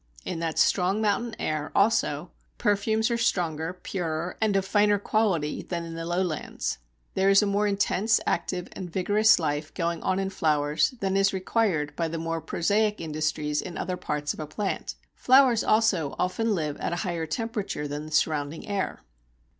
In that strong mountain air, also, perfumes are stronger, purer, and of finer quality than in the lowlands. There is a more intense, active, and vigorous life going on in flowers than is required by the more prosaic industries in other parts of a plant. Flowers also often live at a higher temperature than the surrounding air.